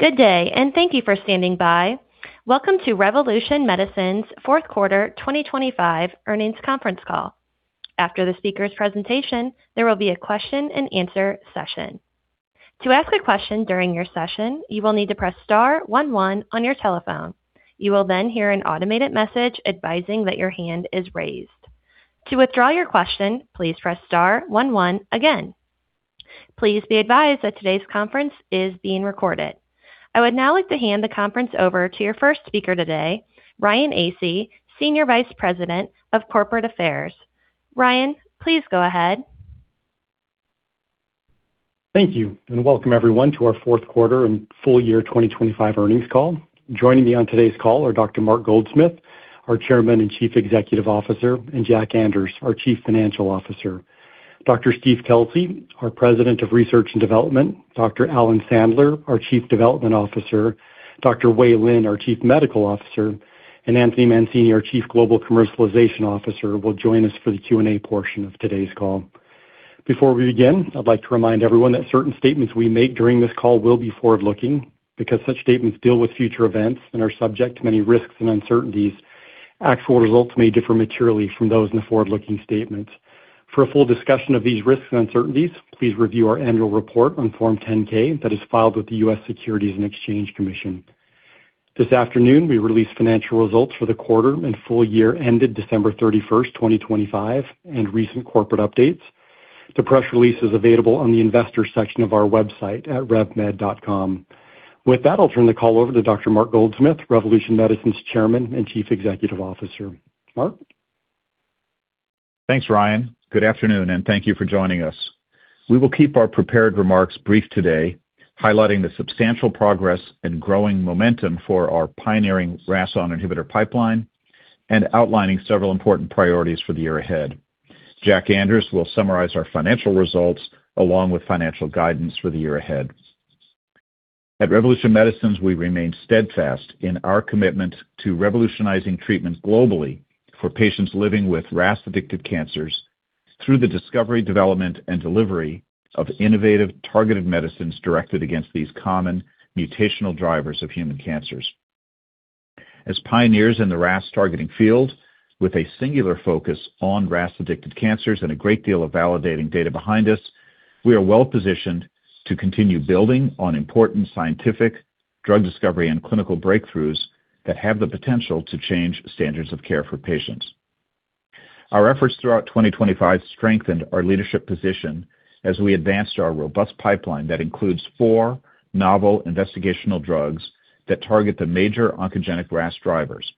Good day, and thank you for standing by. Welcome to Revolution Medicines' Q4 2025 Earnings Conference Call. After the speaker's presentation, there will be a question-and-answer session. To ask a question during your session, you will need to press star one one on your telephone. You will then hear an automated message advising that your hand is raised. To withdraw your question, please press star one one again. Please be advised that today's conference is being recorded. I would now like to hand the conference over to your first speaker today, Ryan Aase, Senior Vice President of Corporate Affairs. Ryan, please go ahead. Thank you. Welcome everyone to our Q4 and full year 2025 earnings call. Joining me on today's call are Dr. Mark Goldsmith, our Chairman and Chief Executive Officer, and Jack Anders, our Chief Financial Officer. Dr. Steve Kelsey, our President of Research and Development, Dr. Alan Sandler, our Chief Development Officer, Dr. Wei Lin, our Chief Medical Officer, and Anthony Mancini, our Chief Global Commercialization Officer, will join us for the Q&A portion of today's call. Before we begin, I'd like to remind everyone that certain statements we make during this call will be forward-looking, because such statements deal with future events and are subject to many risks and uncertainties. Actual results may differ materially from those in the forward-looking statements. For a full discussion of these risks and uncertainties, please review our annual report on Form 10-K that is filed with the U.S. Securities and Exchange Commission. This afternoon, we released financial results for the quarter and full year ended December 31st, 2025, and recent corporate updates. The press release is available on the investors section of our website at revmed.com. With that, I'll turn the call over to Dr. Mark Goldsmith, Revolution Medicines' Chairman and Chief Executive Officer. Mark? Thanks, Ryan. Good afternoon, thank you for joining us. We will keep our prepared remarks brief today, highlighting the substantial progress and growing momentum for our pioneering RAS(ON) inhibitor pipeline and outlining several important priorities for the year ahead. Jack Anders will summarize our financial results along with financial guidance for the year ahead. At Revolution Medicines, we remain steadfast in our commitment to revolutionizing treatments globally for patients living with RAS-addicted cancers through the discovery, development, and delivery of innovative targeted medicines directed against these common mutational drivers of human cancers. As pioneers in the RAS targeting field, with a singular focus on RAS-addicted cancers and a great deal of validating data behind us, we are well-positioned to continue building on important scientific, drug discovery, and clinical breakthroughs that have the potential to change standards of care for patients. Our efforts throughout 2025 strengthened our leadership position as we advanced our robust pipeline that includes 4 novel investigational drugs that target the major oncogenic RAS drivers.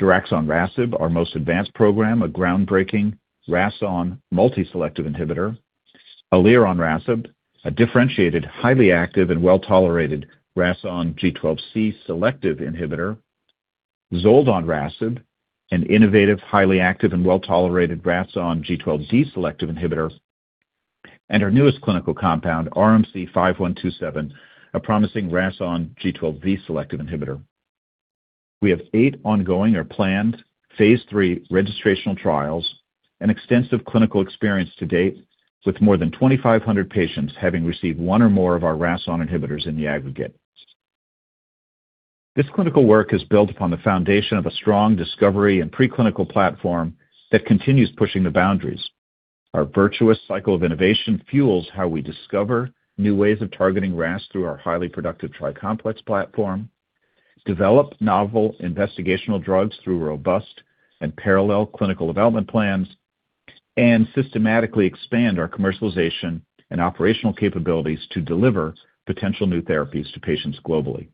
daraxonrasib, our most advanced program, a groundbreaking RAS(ON) multi-selective inhibitor. elironrasib, a differentiated, highly active and well-tolerated RAS(ON) G12C selective inhibitor. zoldonrasib, an innovative, highly active, and well-tolerated RAS(ON) G12D selective inhibitor, and our newest clinical compound, RMC-5127, a promising RAS(ON) G12V selective inhibitor. We have 8 ongoing or planned phase III registrational trials and extensive clinical experience to date, with more than 2,500 patients having received 1 or more of our RAS(ON) inhibitors in the aggregate. This clinical work is built upon the foundation of a strong discovery and preclinical platform that continues pushing the boundaries. Our virtuous cycle of innovation fuels how we discover new ways of targeting RAS through our highly productive tri-complex platform, develop novel investigational drugs through robust and parallel clinical development plans, and systematically expand our commercialization and operational capabilities to deliver potential new therapies to patients globally.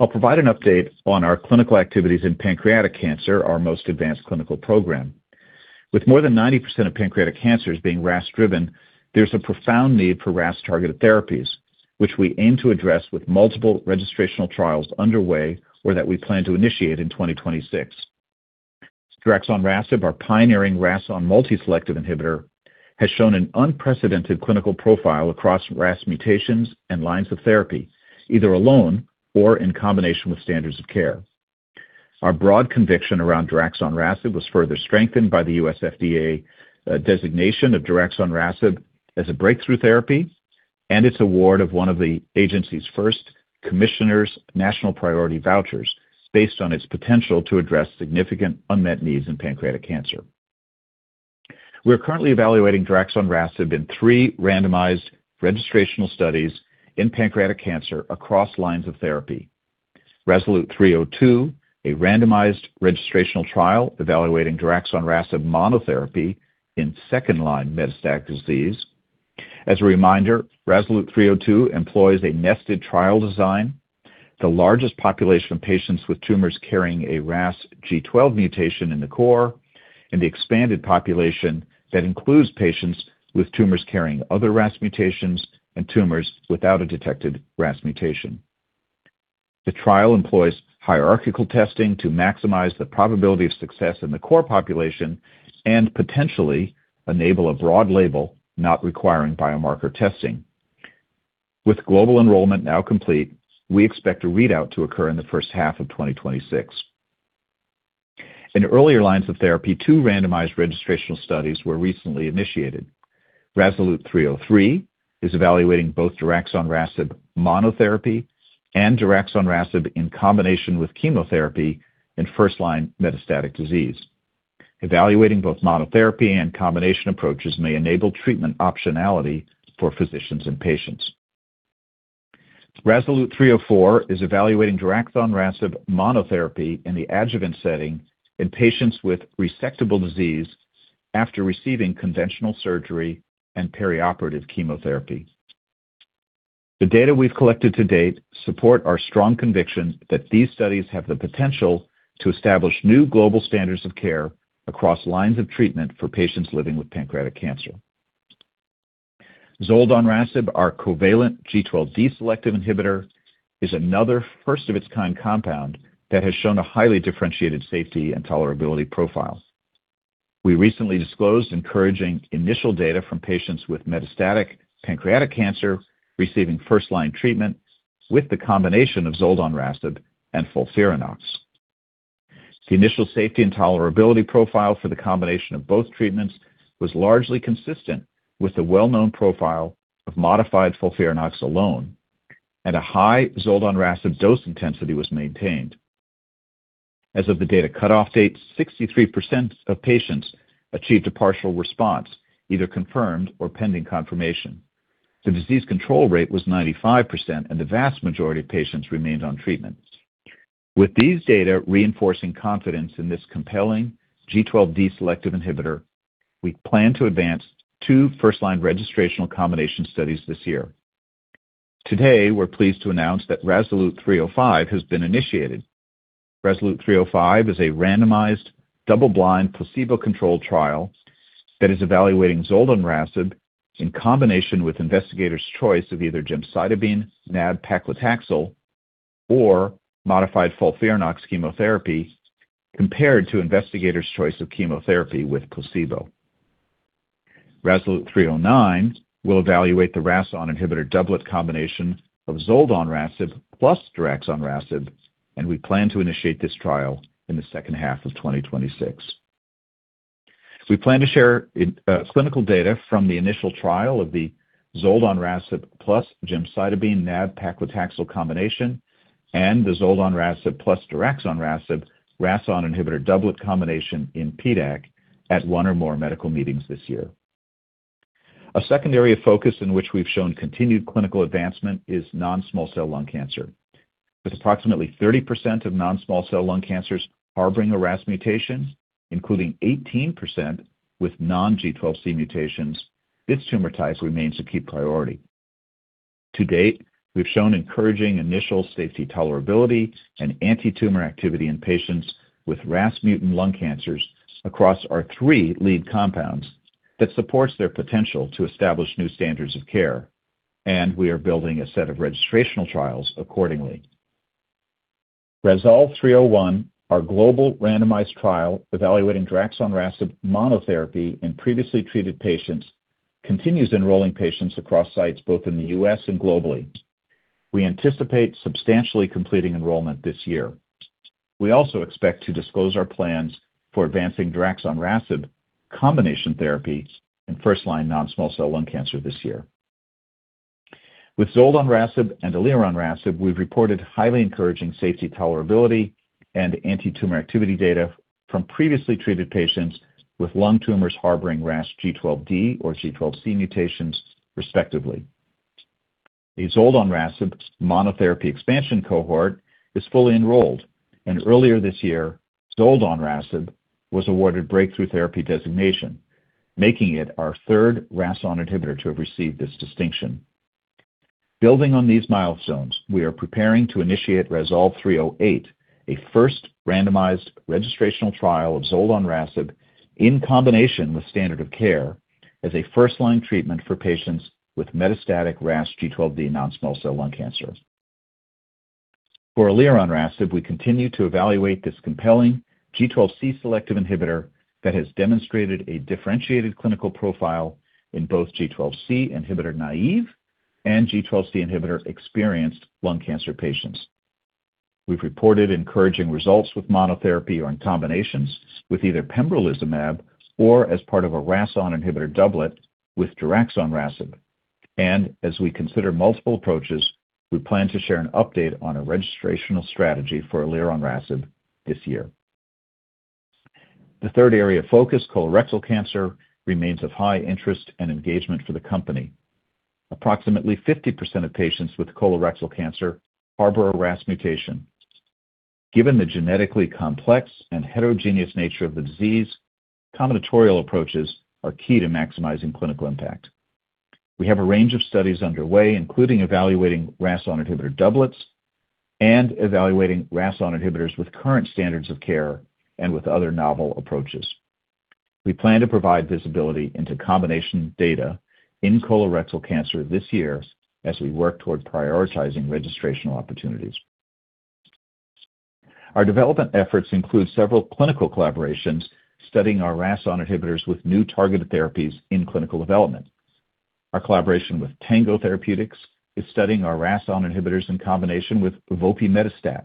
I'll provide an update on our clinical activities in pancreatic cancer, our most advanced clinical program. With more than 90% of pancreatic cancers being RAS-driven, there's a profound need for RAS-targeted therapies, which we aim to address with multiple registrational trials underway or that we plan to initiate in 2026. daraxonrasib, our pioneering RAS(ON) multi-selective inhibitor, has shown an unprecedented clinical profile across RAS mutations and lines of therapy, either alone or in combination with standards of care. Our broad conviction around daraxonrasib was further strengthened by the FDA designation of daraxonrasib as a Breakthrough Therapy Designation and its award of one of the agency's first Commissioner's National Priority Voucher, based on its potential to address significant unmet needs in pancreatic cancer. We are currently evaluating daraxonrasib in three randomized registrational studies in pancreatic cancer across lines of therapy. RASolute 302, a randomized registrational trial evaluating daraxonrasib monotherapy in second-line metastatic disease. As a reminder, RASolute 302 employs a nested trial design, the largest population of patients with tumors carrying a RAS G12 mutation in the core, and the expanded population that includes patients with tumors carrying other RAS mutations and tumors without a detected RAS mutation. The trial employs hierarchical testing to maximize the probability of success in the core population and potentially enable a broad label not requiring biomarker testing. With global enrollment now complete, we expect a readout to occur in the first half of 2026. In earlier lines of therapy, two randomized registrational studies were recently initiated. RASolute 303 is evaluating both daraxonrasib monotherapy and daraxonrasib in combination with chemotherapy in first-line metastatic disease. Evaluating both monotherapy and combination approaches may enable treatment optionality for physicians and patients. RASolute 304 is evaluating daraxonrasib monotherapy in the adjuvant setting in patients with resectable disease after receiving conventional surgery and perioperative chemotherapy. The data we've collected to date support our strong conviction that these studies have the potential to establish new global standards of care across lines of treatment for patients living with pancreatic cancer. Zoldonrasib, our covalent G12D selective inhibitor, is another first-of-its-kind compound that has shown a highly differentiated safety and tolerability profile. We recently disclosed encouraging initial data from patients with metastatic pancreatic cancer receiving first-line treatment with the combination of zoldonrasib and FOLFIRINOX. The initial safety and tolerability profile for the combination of both treatments was largely consistent with the well-known profile of modified FOLFIRINOX alone, and a high zoldonrasib dose intensity was maintained. As of the data cutoff date, 63% of patients achieved a partial response, either confirmed or pending confirmation. The disease control rate was 95%, and the vast majority of patients remained on treatments. With these data reinforcing confidence in this compelling G12D selective inhibitor, we plan to advance two first-line registrational combination studies this year. Today, we're pleased to announce that RESOLUTE-305 has been initiated. RASolute-305 is a randomized, double-blind, placebo-controlled trial that is evaluating zoldonrasib in combination with investigators' choice of either gemcitabine, nab-paclitaxel, or modified FOLFIRINOX chemotherapy, compared to investigators' choice of chemotherapy with placebo. RASolute-309 will evaluate the RAS(ON) inhibitor doublet combination of zoldonrasib plus daraxonrasib, and we plan to initiate this trial in the second half of 2026. We plan to share clinical data from the initial trial of the zoldonrasib plus gemcitabine nab-paclitaxel combination and the zoldonrasib plus daraxonrasib RAS(ON) inhibitor doublet combination in PDAC at one or more medical meetings this year. A second area of focus in which we've shown continued clinical advancement is non-small cell lung cancer. With approximately 30% of non-small cell lung cancers harboring a RAS mutation, including 18% with non-G12C mutations, this tumor type remains a key priority. To date, we've shown encouraging initial safety tolerability and antitumor activity in patients with RAS mutant lung cancers across our three lead compounds that supports their potential to establish new standards of care, and we are building a set of registrational trials accordingly. RASolve 301, our global randomized trial evaluating daraxonrasib monotherapy in previously treated patients, continues enrolling patients across sites both in the U.S. and globally. We anticipate substantially completing enrollment this year. We also expect to disclose our plans for advancing daraxonrasib combination therapy in first-line non-small cell lung cancer this year. With zoldonrasib and elironrasib, we've reported highly encouraging safety tolerability and antitumor activity data from previously treated patients with lung tumors harboring RAS G12D or G12C mutations, respectively. The zoldonrasib monotherapy expansion cohort is fully enrolled, and earlier this year, zoldonrasib was awarded Breakthrough Therapy Designation, making it our third RAS(ON) inhibitor to have received this distinction. Building on these milestones, we are preparing to initiate RASolve 308, a first randomized registrational trial of zoldonrasib in combination with standard of care as a first-line treatment for patients with metastatic RAS G12D non-small cell lung cancers. For elironrasib, we continue to evaluate this compelling G12C selective inhibitor that has demonstrated a differentiated clinical profile in both G12C inhibitor-naïve and G12C inhibitor-experienced lung cancer patients. We've reported encouraging results with monotherapy or in combinations with either Pembrolizumab or as part of a RAS(ON) inhibitor doublet with daraxonrasib. As we consider multiple approaches, we plan to share an update on a registrational strategy for elironrasib this year. The third area of focus, colorectal cancer, remains of high interest and engagement for the company. Approximately 50% of patients with colorectal cancer harbor a RAS mutation. Given the genetically complex and heterogeneous nature of the disease, combinatorial approaches are key to maximizing clinical impact. We have a range of studies underway, including evaluating RAS(ON) inhibitor doublets and evaluating RAS(ON) inhibitors with current standards of care and with other novel approaches. We plan to provide visibility into combination data in colorectal cancer this year as we work toward prioritizing registrational opportunities. Our development efforts include several clinical collaborations studying our RAS(ON) inhibitors with new targeted therapies in clinical development our collaboration with Tango Therapeutics is studying our RAS(ON) inhibitors in combination with vopimetostat,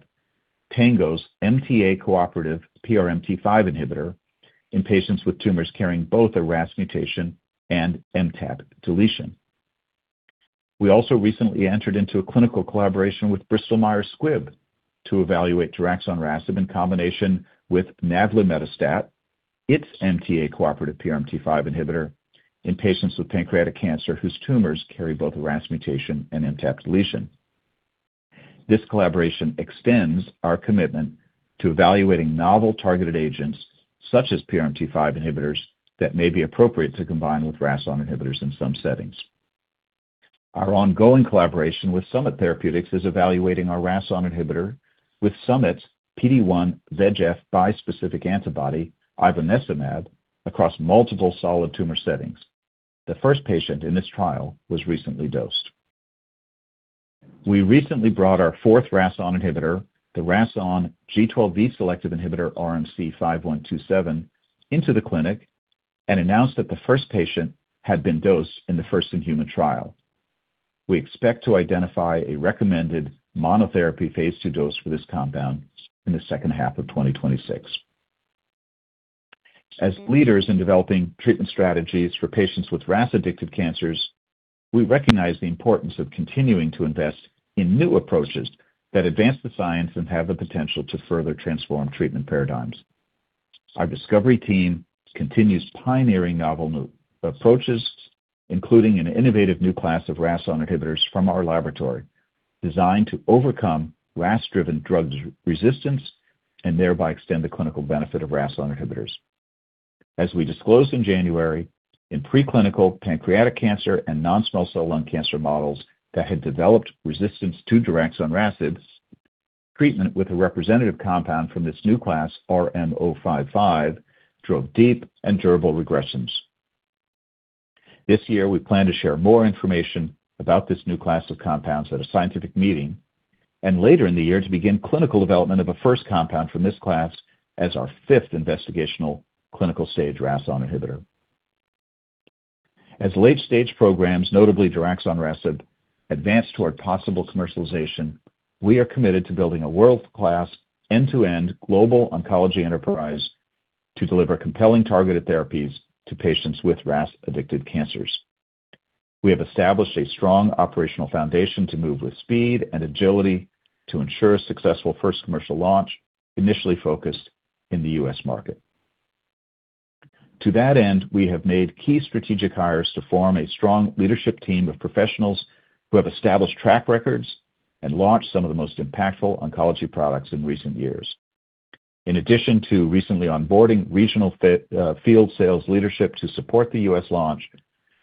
Tango's MTA-cooperative PRMT5 inhibitor, in patients with tumors carrying both a RAS mutation and MTAP deletion. We also recently entered into a clinical collaboration with Bristol Myers Squibb to evaluate daraxonrasib in combination with navlimetostat, its MTA-cooperative PRMT5 inhibitor, in patients with pancreatic cancer whose tumors carry both a RAS mutation and MTAP deletion. This collaboration extends our commitment to evaluating novel targeted agents, such as PRMT5 inhibitors, that may be appropriate to combine with RAS(ON) inhibitors in some settings. Our ongoing collaboration with Summit Therapeutics is evaluating our RAS(ON) inhibitor with Summit's PD-1/VEGF bispecific antibody, ivonesimab, across multiple solid tumor settings. The first patient in this trial was recently dosed. We recently brought our fourth RAS(ON) inhibitor, the RAS(ON) G12V-selective inhibitor, RMC-5127, into the clinic and announced that the first patient had been dosed in the first-in-human trial. We expect to identify a recommended monotherapy phase II dose for this compound in the second half of 2026. As leaders in developing treatment strategies for patients with RAS-addicted cancers, we recognize the importance of continuing to invest in new approaches that advance the science and have the potential to further transform treatment paradigms. Our discovery team continues pioneering novel approaches, including an innovative new class of RAS(ON) inhibitors from our laboratory, designed to overcome RAS-driven drug resistance and thereby extend the clinical benefit of RAS(ON) inhibitors. As we disclosed in January, in preclinical pancreatic cancer and non-small cell lung cancer models that had developed resistance to daraxonrasib, treatment with a representative compound from this new class, RMC-055, drove deep and durable regressions. This year, we plan to share more information about this new class of compounds at a scientific meeting, and later in the year, to begin clinical development of a first compound from this class as our 5th investigational clinical-stage RAS(ON) inhibitor. As late-stage programs, notably daraxonrasib, advance toward possible commercialization, we are committed to building a world-class, end-to-end global oncology enterprise to deliver compelling targeted therapies to patients with RAS-addicted cancers. We have established a strong operational foundation to move with speed and agility to ensure a successful first commercial launch, initially focused in the U.S. market. To that end, we have made key strategic hires to form a strong leadership team of professionals who have established track records and launched some of the most impactful oncology products in recent years. In addition to recently onboarding regional field sales leadership to support the U.S. launch,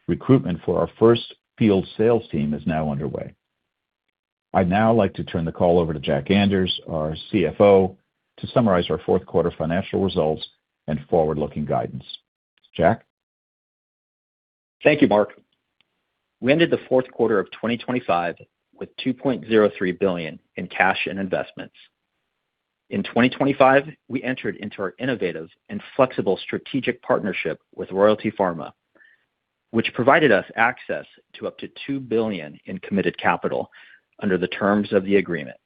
recruitment for our first field sales team is now underway. I'd now like to turn the call over to Jack Anders, our CFO, to summarize our Q4 financial results and forward-looking guidance. Jack? Thank you, Mark. We ended the Q4 of 2025 with $2.03 billion in cash and investments. In 2025, we entered into our innovative and flexible strategic partnership with Royalty Pharma, which provided us access to up to $2 billion in committed capital under the terms of the agreement.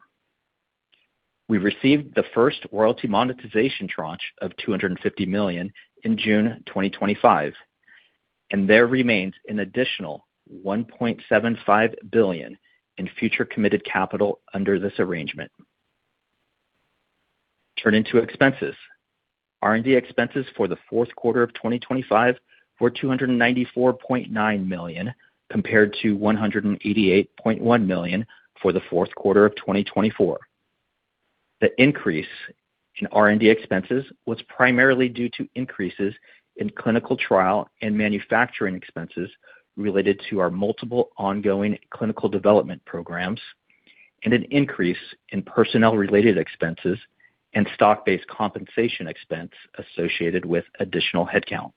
We received the first royalty monetization tranche of $250 million in June 2025, and there remains an additional $1.75 billion in future committed capital under this arrangement. Turning to expenses. R&D expenses for the Q4 of 2025 were $294.9 million, compared to $188.1 million for the Q4 of 2024. The increase in R&D expenses was primarily due to increases in clinical trial and manufacturing expenses related to our multiple ongoing clinical development programs, and an increase in personnel-related expenses and stock-based compensation expense associated with additional headcount.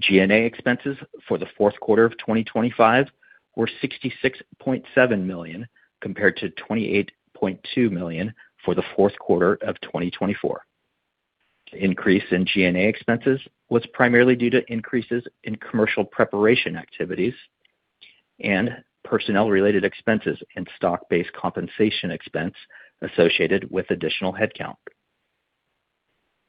GNA expenses for the Q4 of 2025 were $66.7 million, compared to $28.2 million for the Q4 of 2024. The increase in GNA expenses was primarily due to increases in commercial preparation activities and personnel-related expenses and stock-based compensation expense associated with additional headcount.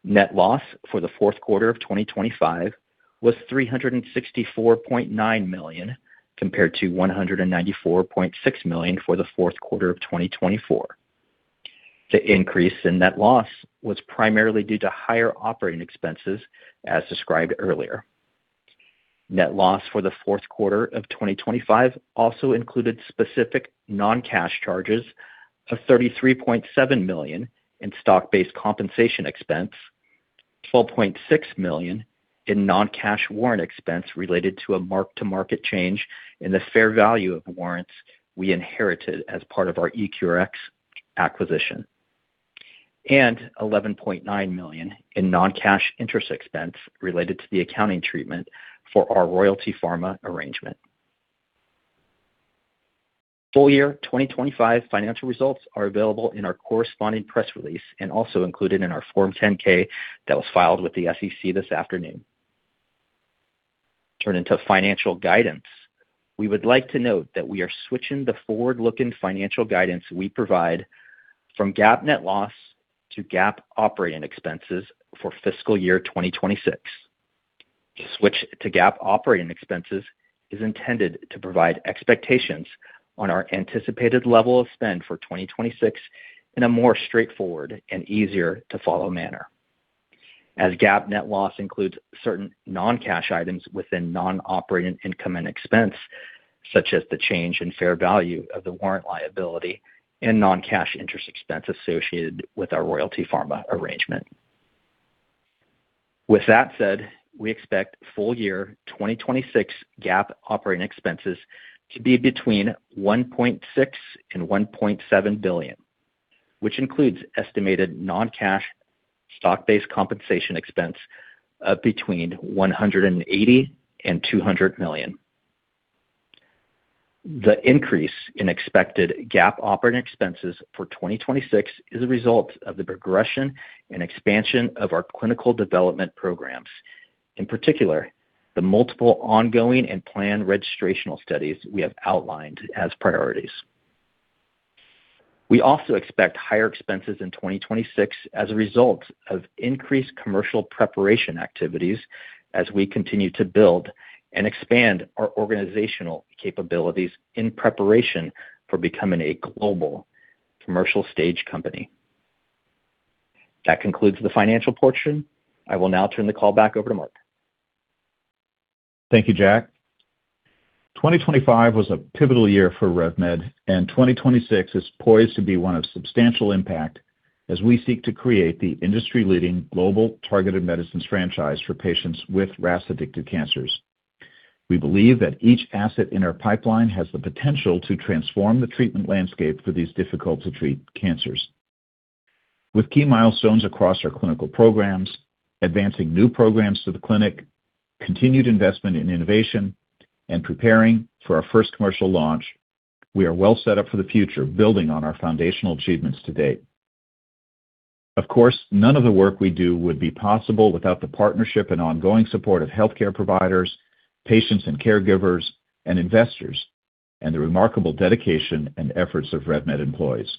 Net loss for the Q4 of 2025 was $364.9 million, compared to $194.6 million for the Q4 of 2024. The increase in net loss was primarily due to higher operating expenses, as described earlier. Net loss for the Q4 of 2025 also included specific non-cash charges of $33.7 million in stock-based compensation expense, $12.6 million in non-cash warrant expense related to a mark-to-market change in the fair value of warrants we inherited as part of our EQRx acquisition, and $11.9 million in non-cash interest expense related to the accounting treatment for our Royalty Pharma arrangement. Full year 2025 financial results are available in our corresponding press release and also included in our Form 10-K that was filed with the SEC this afternoon. Turning to financial guidance, we would like to note that we are switching the forward-looking financial guidance we provide from GAAP net loss to GAAP operating expenses for fiscal year 2026. To switch to GAAP operating expenses is intended to provide expectations on our anticipated level of spend for 2026 in a more straightforward and easier to follow manner. As GAAP net loss includes certain non-cash items within non-operating income and expense, such as the change in fair value of the warrant liability and non-cash interest expense associated with our Royalty Pharma arrangement. With that said, we expect full year 2026 GAAP operating expenses to be between $1.6 billion and $1.7 billion, which includes estimated non-cash stock-based compensation expense of between $180 million and $200 million. The increase in expected GAAP operating expenses for 2026 is a result of the progression and expansion of our clinical development programs, in particular, the multiple ongoing and planned registrational studies we have outlined as priorities. We also expect higher expenses in 2026 as a result of increased commercial preparation activities as we continue to build and expand our organizational capabilities in preparation for becoming a global commercial stage company. That concludes the financial portion. I will now turn the call back over to Mark. Thank you, Jack. 2025 was a pivotal year for RevMed, and 2026 is poised to be one of substantial impact as we seek to create the industry-leading global targeted medicines franchise for patients with RAS-addicted cancers. We believe that each asset in our pipeline has the potential to transform the treatment landscape for these difficult to treat cancers. With key milestones across our clinical programs, advancing new programs to the clinic, continued investment in innovation, and preparing for our first commercial launch, we are well set up for the future, building on our foundational achievements to date. Of course, none of the work we do would be possible without the partnership and ongoing support of healthcare providers, patients and caregivers, and investors, and the remarkable dedication and efforts of RevMed employees.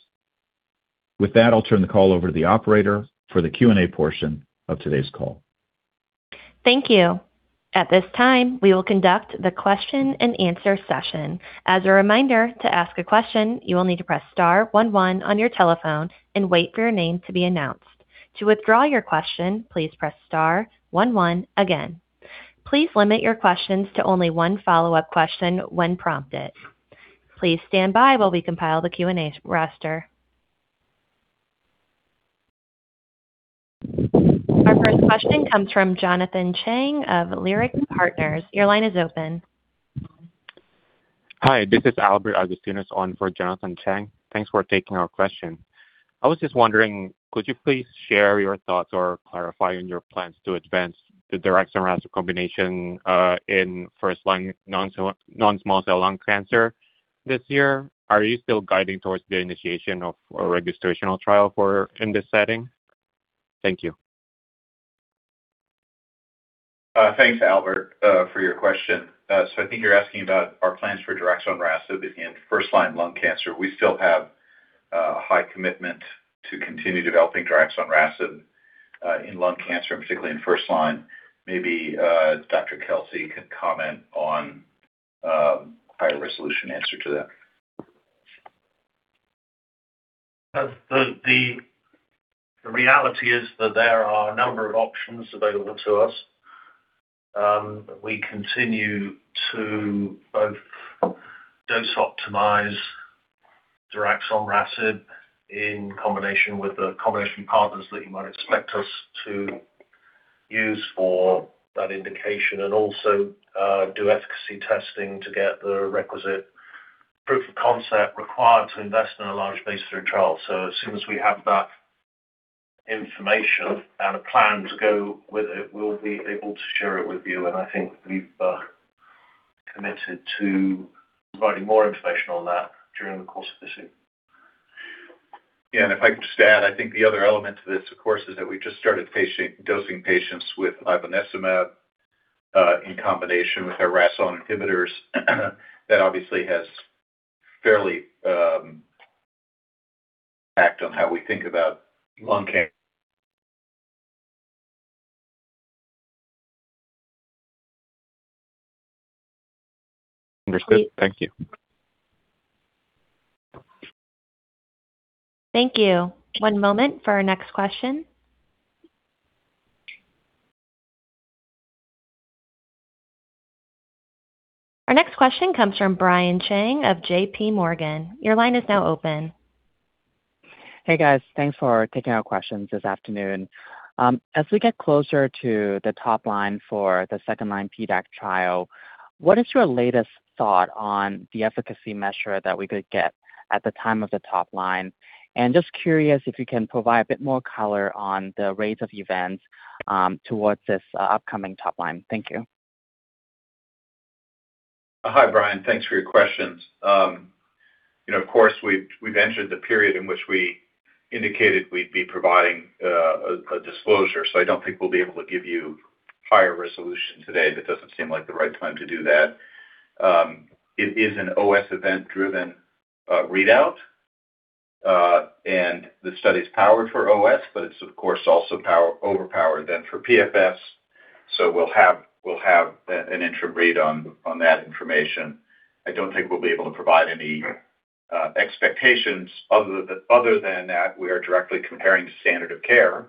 With that, I'll turn the call over to the operator for the Q&A portion of today's call. Thank you. At this time, we will conduct the question and answer session. As a reminder, to ask a question, you will need to press star one one on your telephone and wait for your name to be announced. To withdraw your question, please press star one one again. Please limit your questions to only one follow-up question when prompted. Please stand by while we compile the Q&A roster. Our first question comes from Jonathan Chang of Leerink Partners. Your line is open. Hi, this is Albert Agustinus on for Jonathan Chang. Thanks for taking our question. I was just wondering, could you please share your thoughts or clarify on your plans to advance the daraxonrasib combination in first-line non-small cell lung cancer this year? Are you still guiding towards the initiation of a registrational trial for in this setting? Thank you. Thanks, Albert, for your question. I think you're asking about our plans for daraxonrasib in first line lung cancer. We still have a high commitment to continue developing daraxonrasib in lung cancer, and particularly in first line. Maybe Dr. Kelsey can comment on a higher resolution answer to that. The reality is that there are a number of options available to us. We continue to both dose optimize daraxonrasib in combination with the combination partners that you might expect us to use for that indication, and also, do efficacy testing to get the requisite proof of concept required to invest in a large phase III trial. As soon as we have that information and a plan to go with it, we'll be able to share it with you. I think we've committed to providing more information on that during the course of this year. If I can just add, I think the other element to this, of course, is that we just started dosing patients with ivonesimab in combination with our RAS(ON) inhibitors. That obviously has fairly impact on how we think about lung cancer. Understood. Thank you. Thank you. One moment for our next question. Our next question comes from Brian Cheng of JPMorgan. Your line is now open. Hey, guys. Thanks for taking our questions this afternoon. As we get closer to the top line for the second-line PDAC trial, what is your latest thought on the efficacy measure that we could get at the time of the top line? Just curious if you can provide a bit more color on the rates of events towards this upcoming top line. Thank you. Hi, Brian. Thanks for your questions. You know, of course, we've entered the period in which we indicated we'd be providing a disclosure, so I don't think we'll be able to give you higher resolution today. That doesn't seem like the right time to do that. It is an OS event-driven readout, and the study's powered for OS, but it's of course also overpowered then for PFS, so we'll have an interim read on that information. I don't think we'll be able to provide any expectations other than that we are directly comparing standard of care,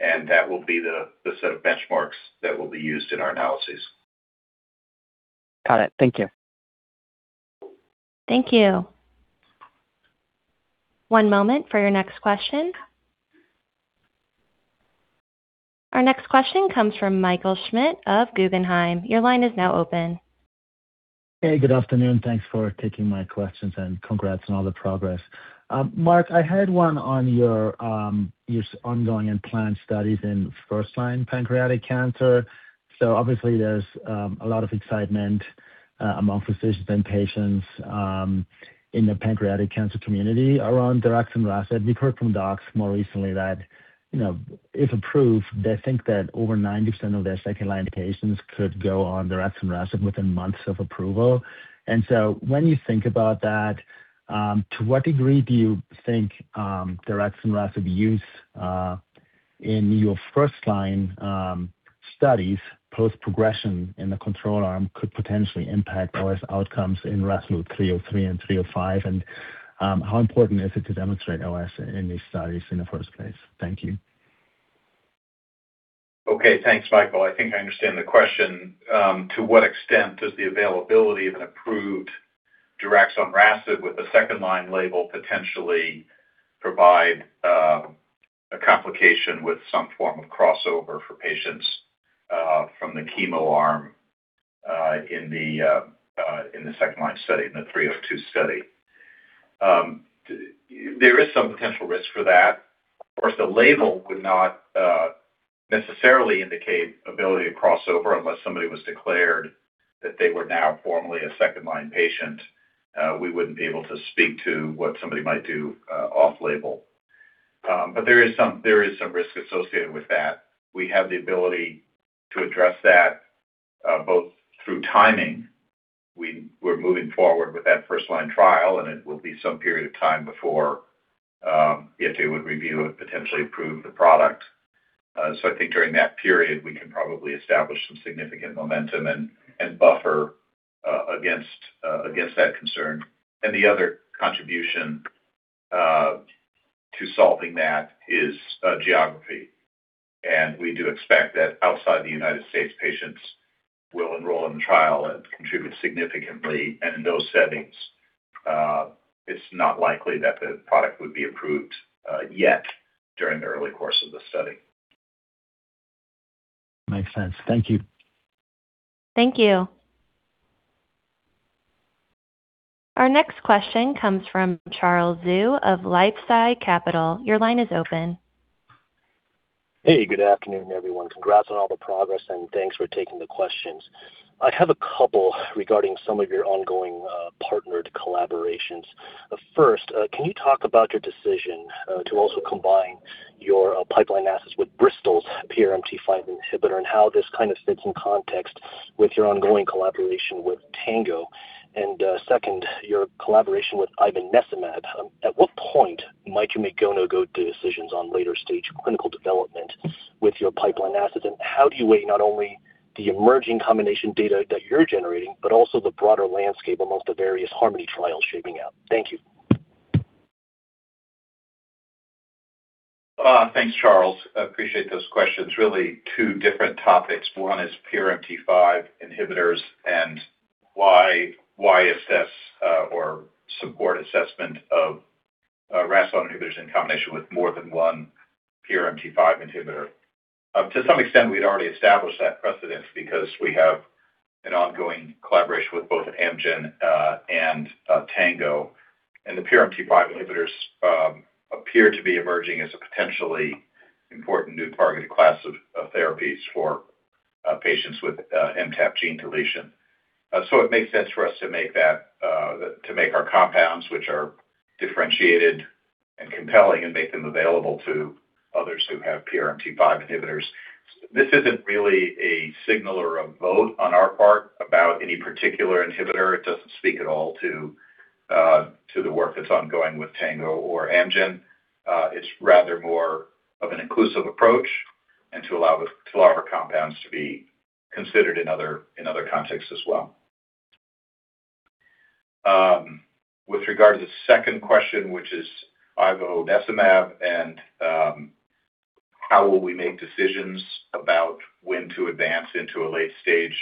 and that will be the set of benchmarks that will be used in our analyses. Got it. Thank you. Thank you. One moment for your next question. Our next question comes from Michael Schmidt of Guggenheim. Your line is now open. Hey, good afternoon. Thanks for taking my questions, and congrats on all the progress. Mark, I had one on your ongoing and planned studies in first-line pancreatic cancer. Obviously there's a lot of excitement among physicians and patients in the pancreatic cancer community around daraxonrasib. We've heard from docs more recently that, you know, if approved, they think that over 90% of their second-line indications could go on daraxonrasib within months of approval. When you think about that, to what degree do you think daraxonrasib use in your first line studies, post-progression in the control arm could potentially impact OS outcomes in RASolute 303 and RASolute 305? How important is it to demonstrate OS in these studies in the first place? Thank you. Okay, thanks, Michael. I think I understand the question. To what extent does the availability of an approved daraxonrasib with a second-line label potentially provide a complication with some form of crossover for patients from the chemo arm in the second-line study, in the 302 study? There is some potential risk for that. Of course, the label would not necessarily indicate ability to cross over unless somebody was declared that they were now formally a second-line patient. We wouldn't be able to speak to what somebody might do off label. There is some risk associated with that. We have the ability to address that both through timing. We're moving forward with that first-line trial. It will be some period of time before FDA would review and potentially approve the product. I think during that period, we can probably establish some significant momentum and buffer against that concern. The other contribution to solving that is geography. We do expect that outside the United States, patients will enroll in the trial and contribute significantly. In those settings, it's not likely that the product would be approved yet during the early course of the study. Makes sense. Thank you. Thank you. Our next question comes from Charles Zhu of LifeSci Capital. Your line is open. Hey, good afternoon, everyone. Congrats on all the progress, and thanks for taking the questions. I have a couple regarding some of your ongoing partnered collaborations. First, can you talk about your decision to also combine your pipeline assets with Bristol's PRMT5 inhibitor and how this kind of fits in context with your ongoing collaboration with Tango? Second, your collaboration with ivonesimab. At what point might you make go/no-go decisions on later-stage clinical development with your pipeline assets, and how do you weigh not only the emerging combination data that you're generating, but also the broader landscape amongst the various harmony trials shaping out? Thank you. Thanks, Charles. I appreciate those questions. Really two different topics. One is PRMT5 inhibitors and why assess or support assessment of RAS inhibitor in combination with more than one PRMT5 inhibitor. To some extent, we'd already established that precedence because we have an ongoing collaboration with both Amgen and Tango. The PRMT5 inhibitors appear to be emerging as a potentially important new targeted class of therapies for patients with MTAP gene deletion. It makes sense for us to make that to make our compounds, which are differentiated and compelling and make them available to others who have PRMT5 inhibitors. This isn't really a signal or a vote on our part about any particular inhibitor. It doesn't speak at all to the work that's ongoing with Tango or Amgen. It's rather more of an inclusive approach to allow our compounds to be considered in other contexts as well. With regard to the second question, which is ivonesimab, how will we make decisions about when to advance into a late-stage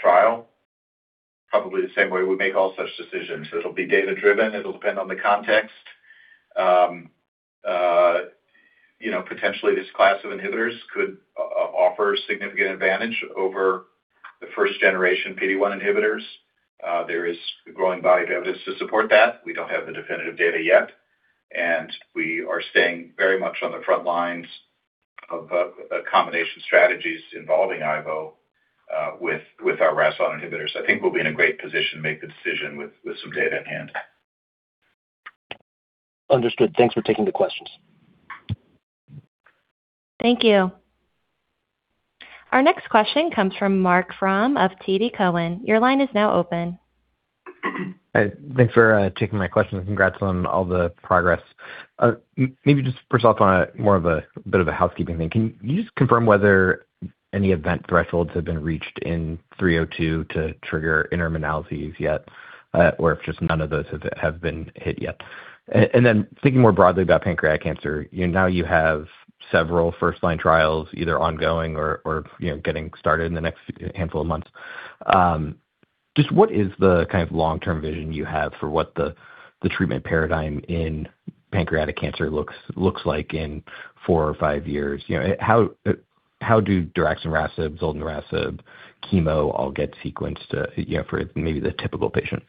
trial? Probably the same way we make all such decisions. It'll be data-driven. It'll depend on the context. You know, potentially this class of inhibitors could offer significant advantage over the first generation PD-1 inhibitors. There is a growing body of evidence to support that. We don't have the definitive data yet. We are staying very much on the front lines of combination strategies involving Ivo with our RAS(ON) inhibitors. I think we'll be in a great position to make the decision with some data in hand. Understood. Thanks for taking the questions. Thank you. Our next question comes from Marc Frahm of TD Cowen. Your line is now open. Hi, thanks for taking my question, and congrats on all the progress. Maybe just first off, on a more of a bit of a housekeeping thing, can you just confirm whether any event thresholds have been reached in 302 to trigger interim analyses yet, or if just none of those have been hit yet? Then thinking more broadly about pancreatic cancer, you know, now you have several first line trials, either ongoing or, you know, getting started in the next handful of months. Just what is the kind of long-term vision you have for what the treatment paradigm in pancreatic cancer looks like in 4 or 5 years? You know, how do daraxonrasib, zoldonrasib, chemo all get sequenced, you know, for maybe the typical patient?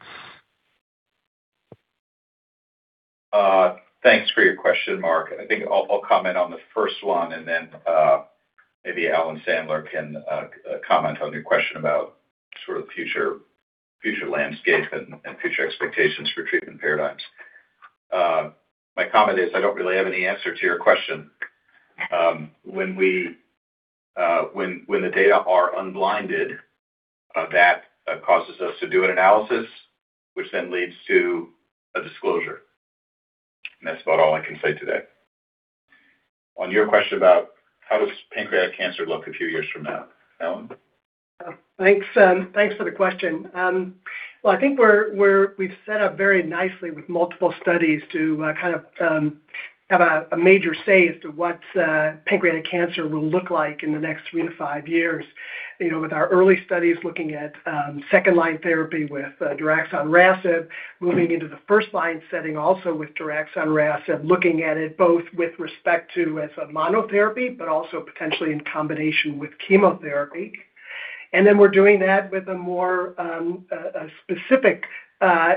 Thanks for your question, Mark. I think I'll comment on the first one, and then maybe Alan Sandler can comment on your question about sort of the future landscape and future expectations for treatment paradigms. My comment is, I don't really have any answer to your question. When we, when the data are unblinded, that causes us to do an analysis, which then leads to a disclosure, and that's about all I can say today. On your question about how does pancreatic cancer look a few years from now? Alan? Thanks, thanks for the question. Well, I think we're set up very nicely with multiple studies to kind of have a major say as to what pancreatic cancer will look like in the next three to five years. You know, with our early studies looking at second-line therapy with daraxonrasib, moving into the first line setting, also with daraxonrasib, looking at it both with respect to as a monotherapy, but also potentially in combination with chemotherapy. Then we're doing that with a more specific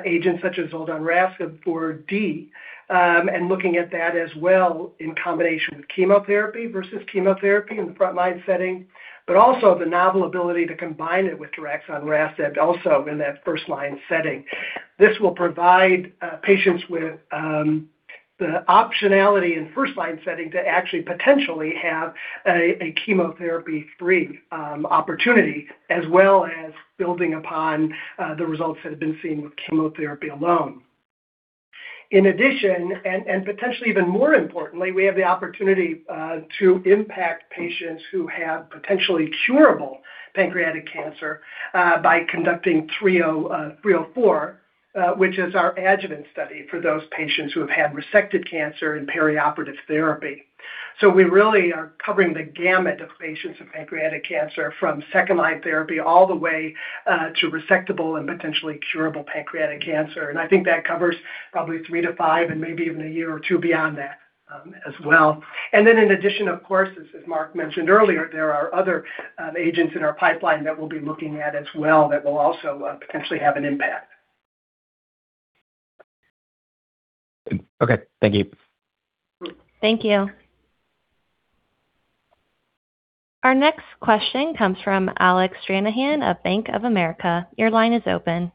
agent such as zoldonrasib for G12D, and looking at that as well in combination with chemotherapy versus chemotherapy in the front line setting, but also the novel ability to combine it with daraxonrasib also in that first line setting. This will provide patients with the optionality in first-line setting to actually potentially have a chemotherapy-free opportunity, as well as building upon the results that have been seen with chemotherapy alone. In addition, and potentially even more importantly, we have the opportunity to impact patients who have potentially curable pancreatic cancer by conducting 304, which is our adjuvant study for those patients who have had resected cancer and perioperative therapy. We really are covering the gamut of patients with pancreatic cancer, from second-line therapy all the way to resectable and potentially curable pancreatic cancer. I think that covers probably 3-5 and maybe even one or two years beyond that, as well. In addition, of course, as Mark mentioned earlier, there are other agents in our pipeline that we'll be looking at as well that will also potentially have an impact. Okay, thank you. Thank you. Our next question comes from Alec Stranahan of Bank of America. Your line is open.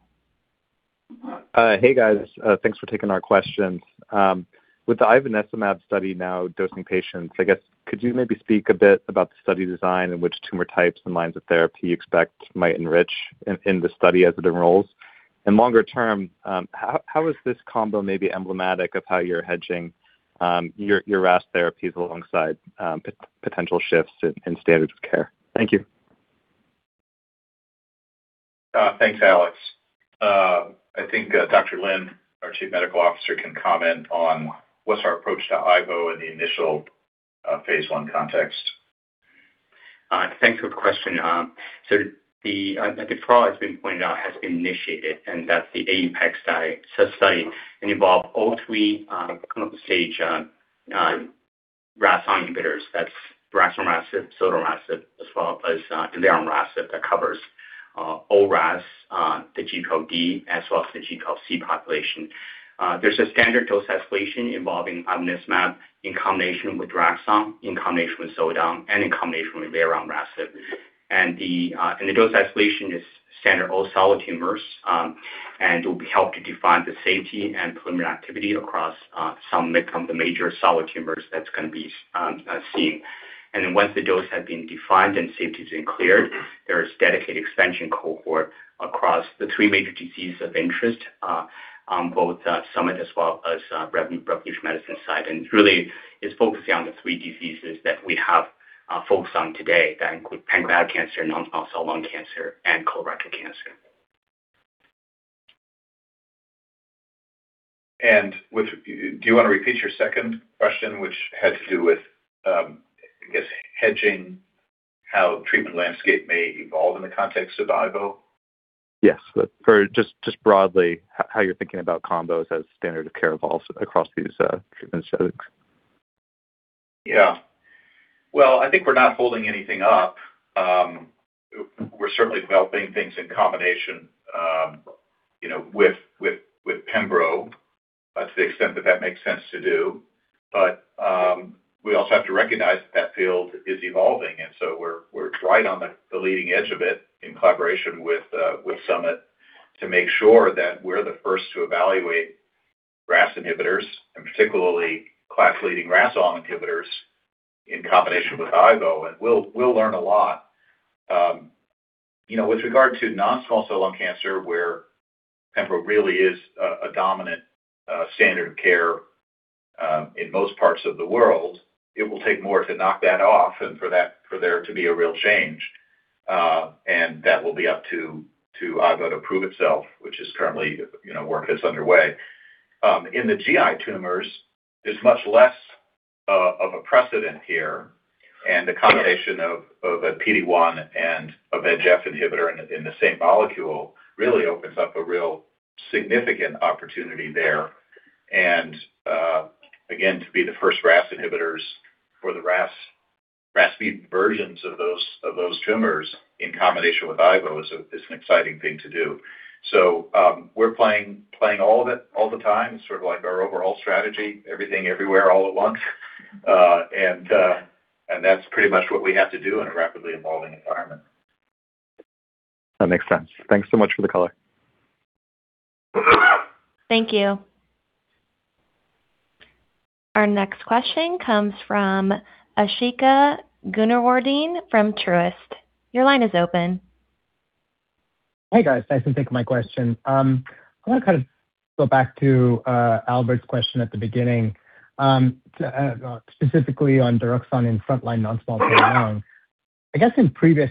Hey, guys, thanks for taking our questions. With the ivonesimab study now dosing patients, I guess, could you maybe speak a bit about the study design in which tumor types and lines of therapy you expect might enrich in the study as it enrolls? Longer term, how is this combo maybe emblematic of how you're hedging your RAS therapies alongside potential shifts in standards of care? Thank you. thanks, Alec. I think, Dr. Lin, our Chief Medical Officer, can comment on what's our approach to Ivo in the initial, phase I context. en pointed out, has been initiated, and that's the APEX study. So study involve all three clinical stage RAS inhibitors. That's daraxonrasib, zoldonrasib, as well as elironrasib. That covers all RAS, the G12D, as well as the G12C population. There's a standard dose escalation involving ivonesimab in combination with daraxonrasib, in combination with zoldonrasib, and in combination with elironrasib. The dose escalation is standard all solid tumors and will help to define the safety and preliminary activity across some of the major solid tumors that's going to be seen. Once the dose has been defined and safety has been cleared, there is dedicated expansion cohort across the 3 major diseases of interest, on both Summit as well as Revolution Medicines side. Really is focusing on the 3 diseases that we have focused on today, that include pancreatic cancer, non-small cell lung cancer, and colorectal cancer. Do you want to repeat your second question, which had to do with, I guess, hedging how treatment landscape may evolve in the context of Ivo? Yes, for just broadly, how you're thinking about combos as standard of care evolves across these, treatment settings? Yeah. Well, I think we're not holding anything up. We're certainly developing things in combination, you know, with Pembroke, to the extent that that makes sense to do. We also have to recognize that that field is evolving, we're right on the leading edge of it in collaboration with Summit, to make sure that we're the first to evaluate RAS inhibitors, and particularly class-leading RAS(ON) inhibitors in combination with Ivo. We'll learn a lot. You know, with regard to non-small cell lung cancer, where Pembroke really is a dominant standard of care, in most parts of the world, it will take more to knock that off and for there to be a real change. And that will be up to ivonesimab to prove itself, which is currently, you know, work is underway. In the GI tumors, there's much less of a precedent here, and the combination of a PD-1 and VEGF inhibitor in the same molecule, really opens up a real significant opportunity there. Again, to be the first RAS inhibitors for the RAS(ON) versions of those tumors in combination with ivonesimab is an exciting thing to do. We're playing all of it all the time, sort of like our overall strategy, everything, everywhere, all at once. That's pretty much what we have to do in a rapidly evolving environment. That makes sense. Thanks so much for the color. Thank you. Our next question comes from Asthika Goonewardene from Truist. Your line is open. Hey, guys. Thanks for taking my question. I want to kind of go back to Albert's question at the beginning, specifically on Daraxon in frontline non-small cell lung. I guess in previous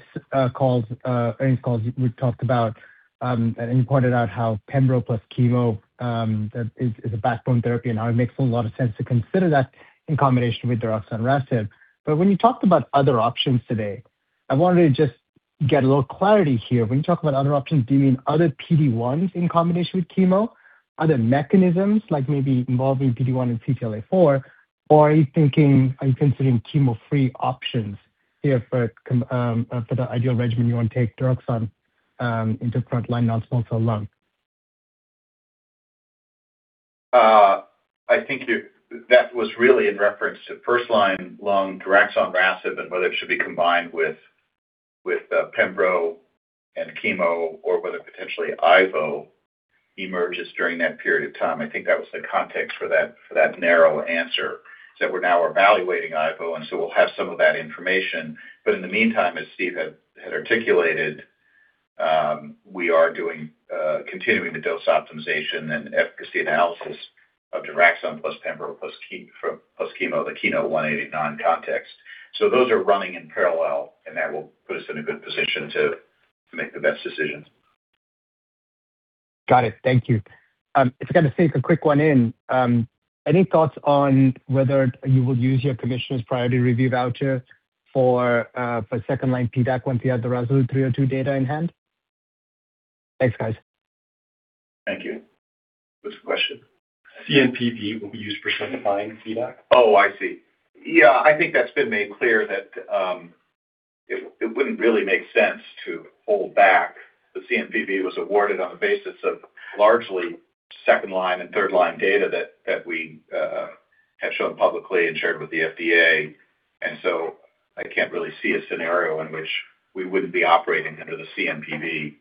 calls, earnings calls, we talked about and you pointed out how Pembroke plus chemo is a backbone therapy and how it makes a lot of sense to consider that in combination with Daraxonrasib. When you talked about other options today, I wanted to just get a little clarity here. When you talk about other options, do you mean other PD-1s in combination with chemo, other mechanisms like maybe involving PD-1 and CTLA-4, or are you considering chemo-free options here for the ideal regimen, you want to take Daraxon into frontline non-small cell lung? That was really in reference to first-line lung daraxonrasib, and whether it should be combined with Pembroke and chemo, or whether potentially Ivo emerges during that period of time. I think that was the context for that, for that narrow answer, that we're now evaluating Ivo, and so we'll have some of that information. In the meantime, as Steve had articulated, we are continuing the dose optimization and efficacy analysis of daraxonrasib plus Pembroke plus chemo, the KEYNOTE-189 context. Those are running in parallel, and that will put us in a good position to make the best decisions. Got it. Thank you. If I can just sneak a quick one in, any thoughts on whether you will use your Commissioner's Priority Review Voucher for second-line PDAC once you have the RASolute 302 data in hand? Thanks, guys. Thank you. Good question. CNPV will be used for second line PDAC. Oh, I see. Yeah, I think that's been made clear that it wouldn't really make sense to hold back. The CNPV was awarded on the basis of largely second line and third line data that we have shown publicly and shared with the FDA. I can't really see a scenario in which we wouldn't be operating under the CNPV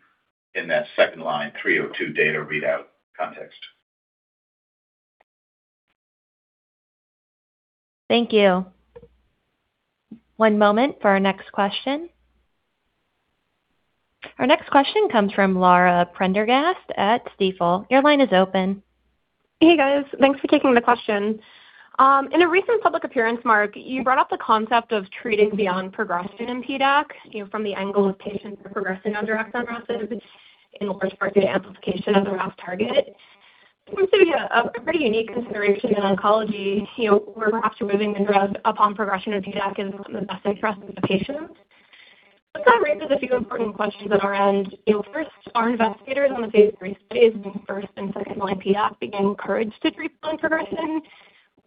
in that second line, 302 data readout context. Thank you. One moment for our next question. Our next question comes from Laura Prendergast at Stifel. Your line is open. Hey, guys. Thanks for taking the question. In a recent public appearance, Mark, you brought up the concept of treating beyond progression in PDAC, you know, from the angle of patients who are progressing on daraxonrasib, in large part due to amplification of the RAS target. Seems to be a pretty unique consideration in oncology, you know, where perhaps moving the drug upon progression or PDAC is in the best interest of the patient. That raises a few important questions on our end. You know, first, are investigators on the phase III studies in first and second line, PDAC being encouraged to treat progression?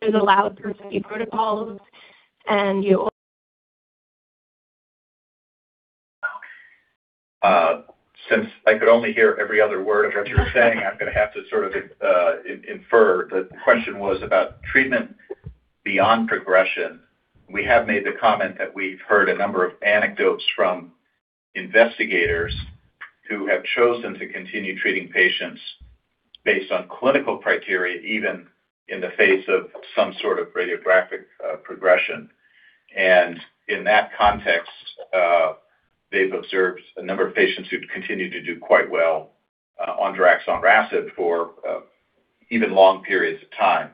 Is allowed through the protocols and you... Since I could only hear every other word of what you're saying, I'm going to have to sort of infer. The question was about treatment beyond progression. We have made the comment that we've heard a number of anecdotes from investigators who have chosen to continue treating patients based on clinical criteria, even in the face of some sort of radiographic progression. In that context, they've observed a number of patients who've continued to do quite well on daraxonrasib for even long periods of time.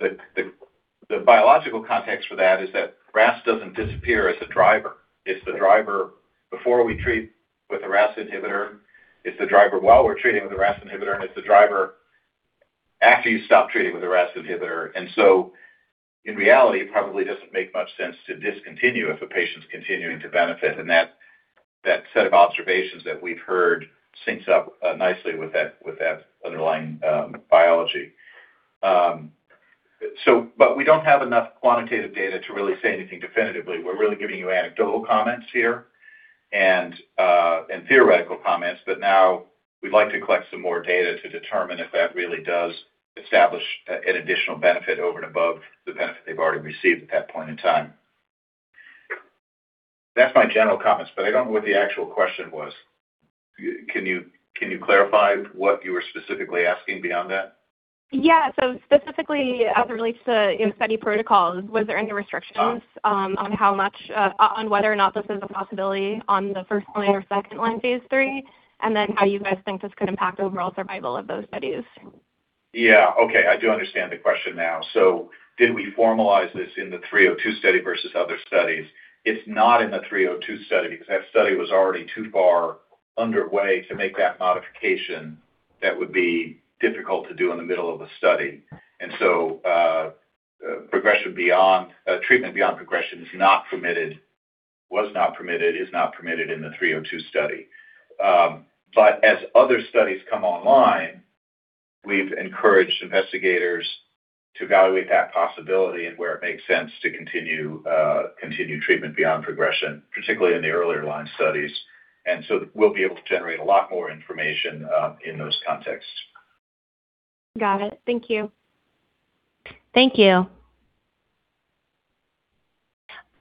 The biological context for that is that RAS doesn't disappear as a driver. It's the driver before we treat with the RAS inhibitor. It's the driver while we're treating with the RAS inhibitor, and it's the driver after you stop treating with the RAS inhibitor. In reality, it probably doesn't make much sense to discontinue if a patient's continuing to benefit. That set of observations that we've heard syncs up nicely with that, with that underlying biology. We don't have enough quantitative data to really say anything definitively. We're really giving you anecdotal comments here and theoretical comments, but now we'd like to collect some more data to determine if that really does establish an additional benefit over and above the benefit they've already received at that point in time. That's my general comments, but I don't know what the actual question was. Can you clarify what you were specifically asking beyond that? Yeah. specifically as it relates to, you know, study protocols, was there any restrictions, on how much, on whether or not this is a possibility on the first line or second line phase III, and then how you guys think this could impact overall survival of those studies? Okay, I do understand the question now. Did we formalize this in the RASolute 302 study versus other studies? It's not in the RASolute 302 study because that study was already too far underway to make that modification. That would be difficult to do in the middle of a study. Progression beyond treatment beyond progression is not permitted. Was not permitted, is not permitted in the RASolute 302 study. As other studies come online, we've encouraged investigators to evaluate that possibility and where it makes sense to continue treatment beyond progression, particularly in the earlier line studies. We'll be able to generate a lot more information in those contexts. Got it. Thank you. Thank you.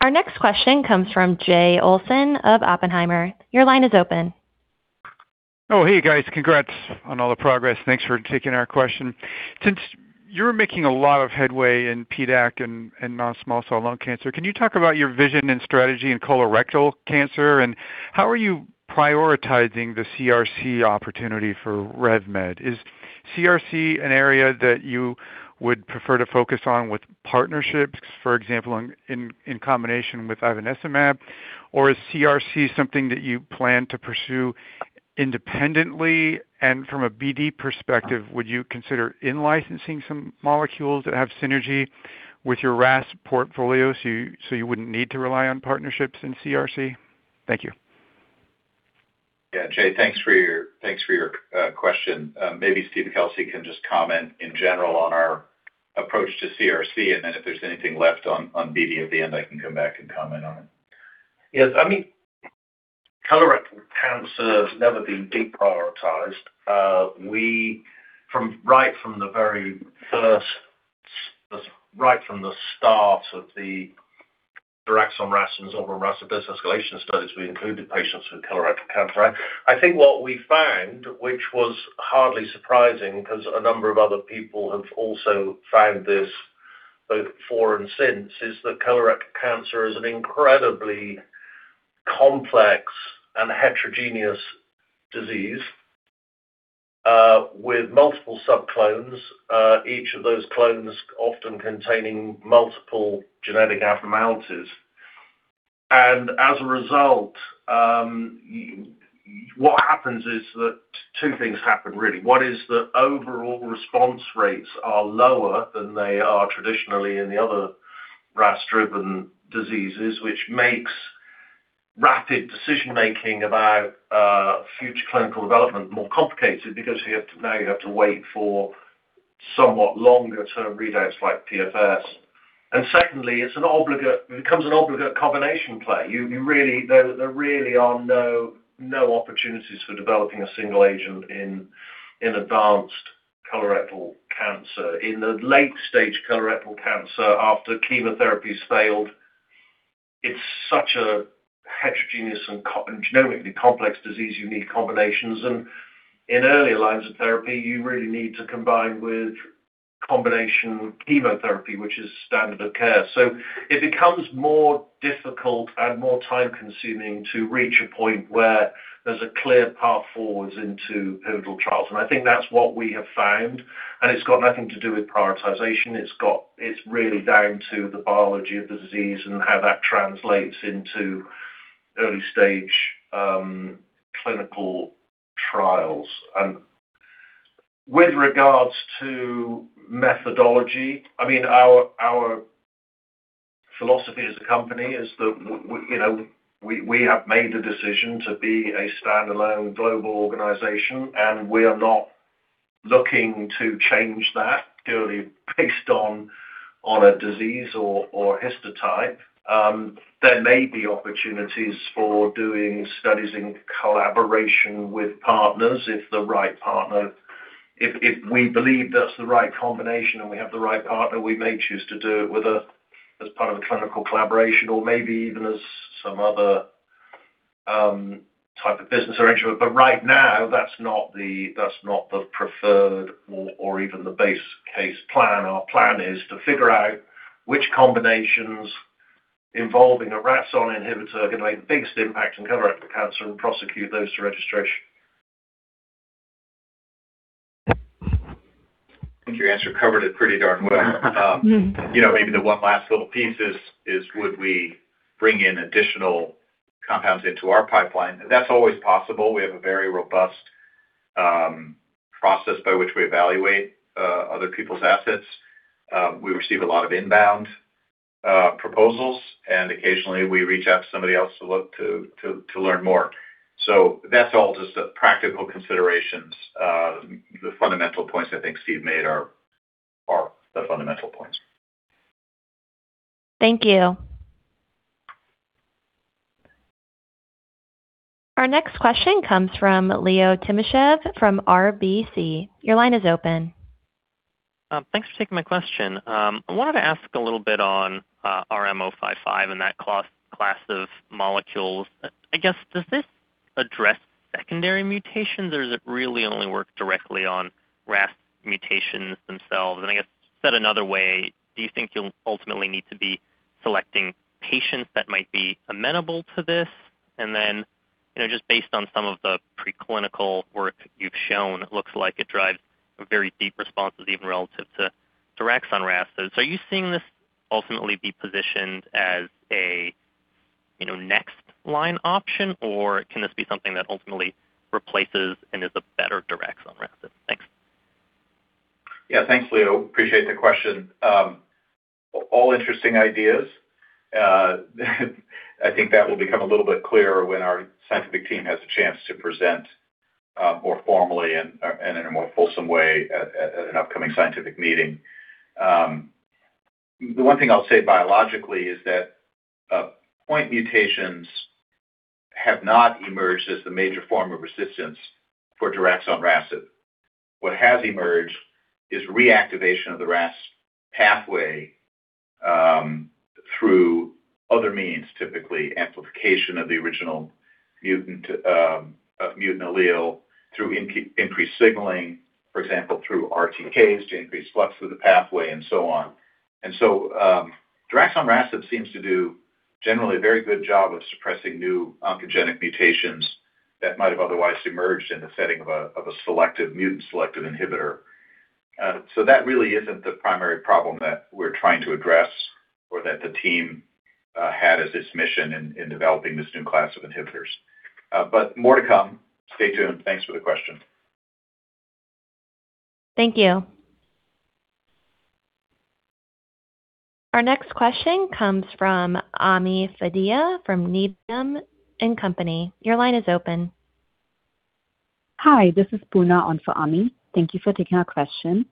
Our next question comes from Jay Olson of Oppenheimer. Your line is open. Oh, hey, guys. Congrats on all the progress. Thanks for taking our question. Since you're making a lot of headway in PDAC and non-small cell lung cancer, can you talk about your vision and strategy in colorectal cancer, and how are you prioritizing the CRC opportunity for RevMed? Is CRC an area that you would prefer to focus on with partnerships, for example, in combination with atezolizumab, or is CRC something that you plan to pursue independently? From a BD perspective, would you consider in-licensing some molecules that have synergy with your RAS portfolio so you wouldn't need to rely on partnerships in CRC? Thank you. Yeah, Jay, thanks for your question. Maybe Steve Kelsey can just comment in general on our approach to CRC, and then if there's anything left on BD at the end, I can come back and comment on it. Yes, I mean, colorectal cancer has never been deprioritized. We, right from the very first, right from the start of the RAS(ON) and overall RAS business escalation studies, we included patients with colorectal cancer. I think what we found, which was hardly surprising because a number of other people have also found this both before and since, is that colorectal cancer is an incredibly complex and heterogeneous disease, with multiple subclones, each of those clones often containing multiple genetic abnormalities. As a result, what happens is that two things happen, really. One is the overall response rates are lower than they are traditionally in the other RAS-driven diseases, which makes rapid decision-making about future clinical development more complicated because now you have to wait for somewhat longer term readouts like PFS. Secondly, it becomes an obligate combination play. You really, there really are no opportunities for developing a single agent in advanced colorectal cancer. In the late stage colorectal cancer, after chemotherapy's failed, it's such a heterogeneous and genomically complex disease, you need combinations, and in earlier lines of therapy, you really need to combine with combination chemotherapy, which is standard of care. So it becomes more difficult and more time-consuming to reach a point where there's a clear path forwards into pivotal trials. I think that's what we have found. It's got nothing to do with prioritization. It's really down to the biology of the disease and how that translates into early stage clinical trials. With regards to methodology, I mean, our philosophy as a company is that, you know, we have made the decision to be a standalone global organization, and we are not looking to change that purely based on a disease or histotype. There may be opportunities for doing studies in collaboration with partners if the right partner, if we believe that's the right combination and we have the right partner, we may choose to do it as part of a clinical collaboration or maybe even as some other type of business arrangement. Right now, that's not the preferred or even the base case plan. Our plan is to figure out which combinations involving a RAS(ON) inhibitor are going to make the biggest impact in colorectal cancer and prosecute those to registration. I think your answer covered it pretty darn well. You know, maybe the one last little piece is would we bring in additional compounds into our pipeline? That's always possible. We have a very robust process by which we evaluate other people's assets. We receive a lot of inbound proposals, and occasionally we reach out to somebody else to look to learn more. That's all just a practical considerations. The fundamental points I think Steve Kelsey made are the fundamental points. Thank you. Our next question comes from Leonid Timashev from RBC. Your line is open. Thanks for taking my question. I wanted to ask a little bit on RMC-055 and that class of molecules. I guess, does this address secondary mutations, or does it really only work directly on RAS mutations themselves? I guess said another way, do you think you'll ultimately need to be selecting patients that might be amenable to this? Then, you know, just based on some of the preclinical work you've shown, it looks like it drives very deep responses, even relative to daraxonrasib. Are you seeing this ultimately be positioned as a, you know, next line option, or can this be something that ultimately replaces and is a better daraxonrasib? Thanks. Yeah. Thanks, Leo. Appreciate the question. All interesting ideas. I think that will become a little bit clearer when our scientific team has a chance to present more formally and in a more fulsome way at an upcoming scientific meeting. The one thing I'll say biologically is that point mutations have not emerged as the major form of resistance for daraxonrasib. What has emerged is reactivation of the RAS pathway through other means, typically amplification of the original mutant allele through increased signaling, for example, through RTKs to increase flux through the pathway, and so on. So, daraxonrasib seems to do generally a very good job of suppressing new oncogenic mutations that might have otherwise emerged in the setting of a selective mutant, selective inhibitor. That really isn't the primary problem that we're trying to address or that the team had as its mission in developing this new class of inhibitors. More to come. Stay tuned. Thanks for the question. Thank you. Our next question comes from Ami Fadia from Needham and Company. Your line is open. Hi, this is Poorna on for Ami. Thank you for taking our question.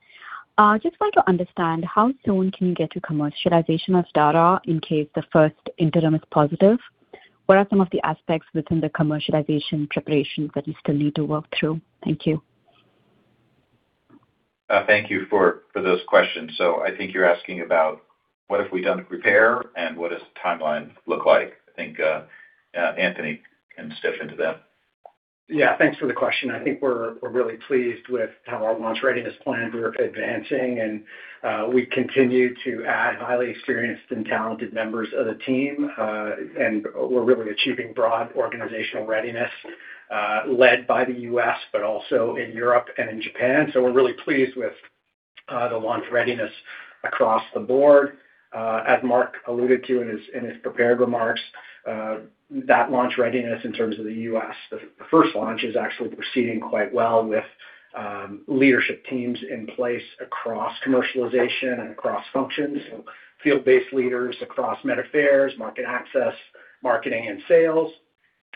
Just want to understand how soon can you get to commercialization of data in case the first interim is positive? What are some of the aspects within the commercialization preparations that you still need to work through? Thank you. Thank you for those questions. I think you're asking about what have we done to prepare and what does the timeline look like. I think Anthony can step into them. Yeah, thanks for the question. I think we're really pleased with how our launch readiness plan we're advancing, and we continue to add highly experienced and talented members of the team. We're really achieving broad organizational readiness, led by the U.S., but also in Europe and in Japan. We're really pleased with the launch readiness across the board. As Mark alluded to in his prepared remarks, that launch readiness in terms of the U.S., the first launch is actually proceeding quite well with leadership teams in place across commercialization and across functions, field-based leaders across Med Affairs, Market Access, Marketing, and Sales.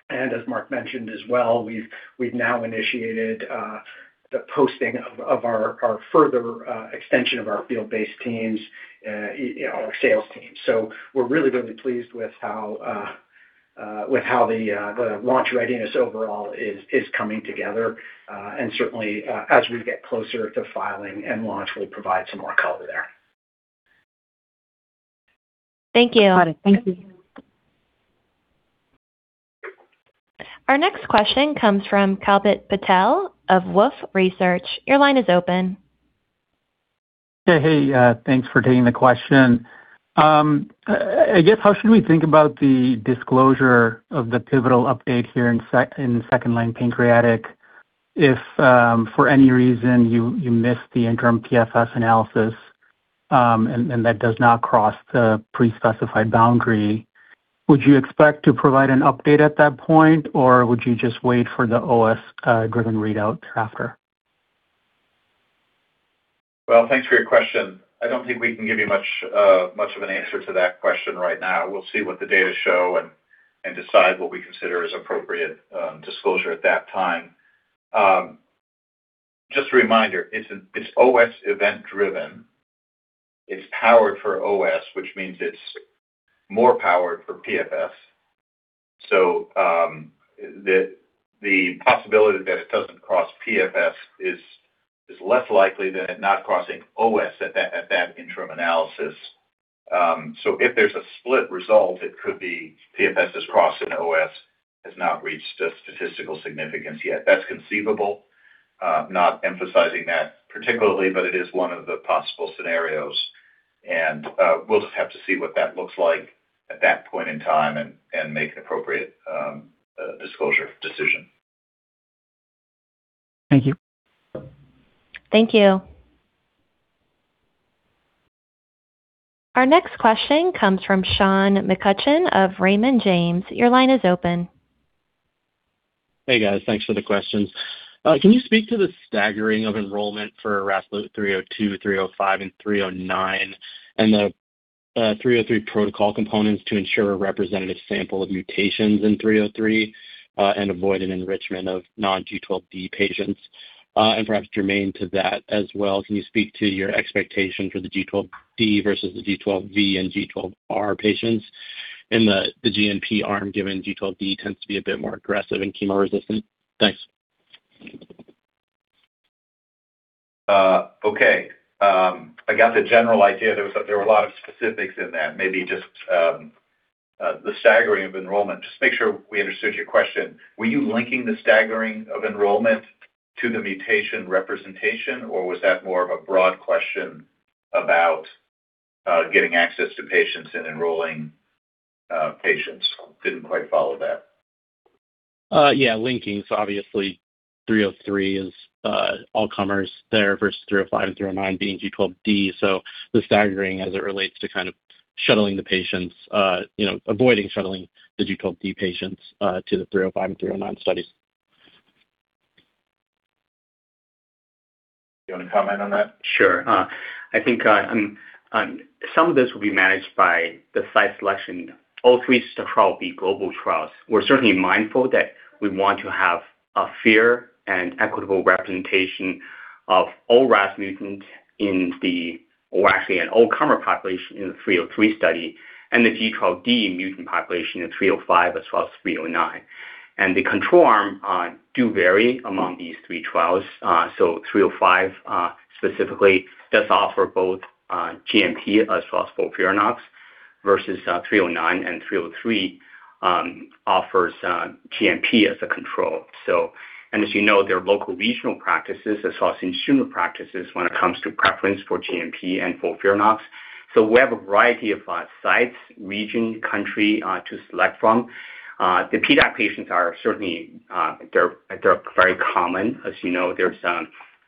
As Mark mentioned as well, we've now initiated the posting of our further extension of our field-based teams, you know, our sales teams. We're really pleased with how the launch readiness overall is coming together, and certainly, as we get closer to filing and launch, we'll provide some more color there. Thank you. Our next question comes from Kalpit Patel of Wolfe Research. Your line is open. Hey, thanks for taking the question. I guess, how should we think about the disclosure of the pivotal update here in second-line pancreatic if for any reason you missed the interim PFS analysis, and that does not cross the pre-specified boundary, would you expect to provide an update at that point, or would you just wait for the OS driven readout thereafter? Well, thanks for your question. I don't think we can give you much of an answer to that question right now. We'll see what the data show and decide what we consider as appropriate disclosure at that time. Just a reminder, it's OS event driven. It's powered for OS, which means it's more powered for PFS. The possibility that it doesn't cross PFS is less likely than it not crossing OS at that interim analysis. If there's a split result, it could be PFS has crossed and OS has not reached a statistical significance yet. That's conceivable, not emphasizing that particularly, but it is one of the possible scenarios, and we'll just have to see what that looks like at that point in time and make an appropriate disclosure decision. Thank you. Thank you. Our next question comes from Sean Callaghan of Raymond James. Your line is open. Hey, guys. Thanks for the questions. Can you speak to the staggering of enrollment for RAS 302, 305, and 309, and the 303 protocol components to ensure a representative sample of mutations in 303 and avoid an enrichment of non-G12D patients? Perhaps germane to that as well, can you speak to your expectation for the G12D versus the G12V and G12R patients in the G12P arm, given G12D tends to be a bit more aggressive and chemo resistant? Thanks. Okay. I got the general idea. There were a lot of specifics in that. Maybe just the staggering of enrollment, just make sure we understood your question. Were you linking the staggering of enrollment to the mutation representation, or was that more of a broad question about getting access to patients and enrolling patients? Didn't quite follow that. Yeah, linking. Obviously, 303 is all comers there versus 305 and 309 being G12D. The staggering as it relates to kind of shuttling the patients, you know, avoiding shuttling the G12D patients to the 305 and 309 studies. You want to comment on that? Sure. I think some of this will be managed by the site selection. All three trials will be global trials. We're certainly mindful that we want to have a fair and equitable representation of all RAS mutant in the... or actually an all-comer population in the 303 study, and the G12D mutant population in 305 as well as 309. The control arm do vary among these three trials. So 305 specifically does offer both Gem/Nab-P as well as FOLFIRINOX, versus 309, and 303 offers Gem/Nab-P as a control. As you know, there are local regional practices as well as consumer practices when it comes to preference for Gem/Nab-P and FOLFIRINOX. We have a variety of sites, region, country to select from. The PDAC patients are certainly, they're very common. As you know, there's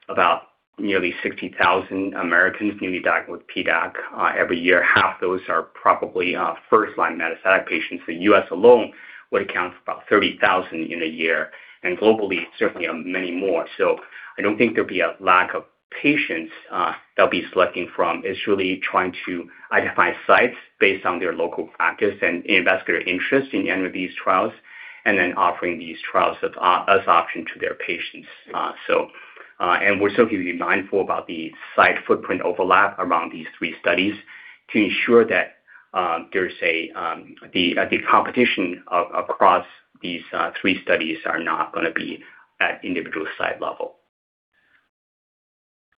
about nearly 60,000 Americans newly diagnosed with PDAC every year. Half those are probably first-line metastatic patients. The U.S. alone would account for about 30,000 in a year, and globally, certainly, many more. I don't think there'll be a lack of patients they'll be selecting from. It's really trying to identify sites based on their local practice and investor interest in any of these trials, and then offering these trials as option to their patients. We're certainly mindful about the site footprint overlap around these 3 studies to ensure that, there's a competition across these, 3 studies are not gonna be at individual site level.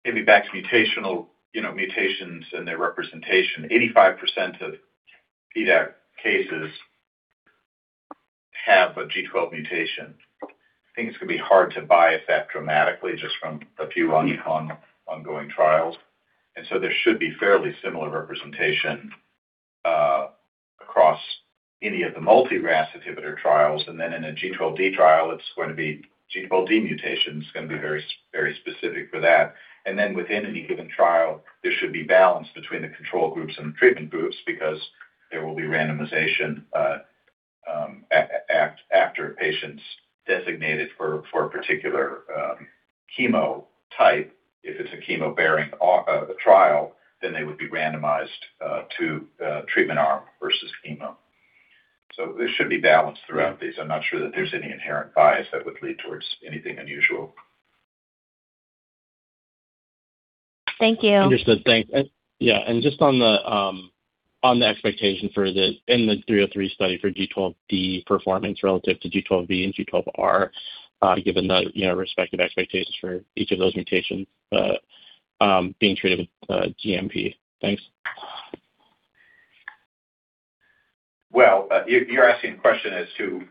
Maybe back to mutational, you know, mutations and their representation. 85% of PDAC cases have a G12 mutation. Things can be hard to bias that dramatically just from a few on ongoing trials, there should be fairly similar representation across any of the multi-RAS inhibitor trials, in a G12D trial, it's going to be G12D mutation. It's going to be very specific for that. Within any given trial, there should be balance between the control groups and the treatment groups, because there will be randomization after patients designated for a particular chemo type. If it's a chemo-bearing trial, they would be randomized to treatment arm versus chemo. There should be balance throughout these. I'm not sure that there's any inherent bias that would lead towards anything unusual. Thank you. Understood. Thanks. Just on the expectation for the in the 303 study for G12D performance relative to G12V and G12R, given the, you know, respective expectations for each of those mutations, being treated with Gem/nab-P. Thanks. You're asking a question as to...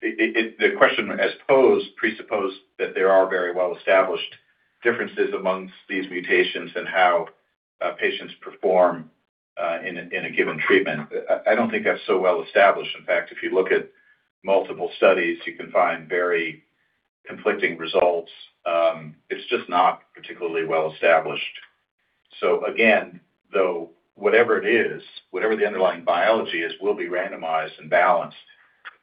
The question as posed presupposed that there are very well-established differences amongst these mutations and how patients perform in a given treatment. I don't think that's so well established. In fact, if you look at multiple studies, you can find very conflicting results. It's just not particularly well established. Again, though, whatever it is, whatever the underlying biology is, will be randomized and balanced